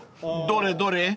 ［どれどれ？